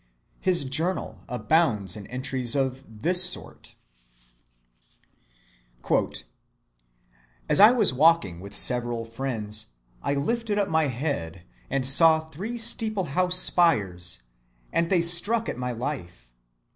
His Journal abounds in entries of this sort:— "As I was walking with several friends, I lifted up my head, and saw three steeple‐house spires, and they struck at my life.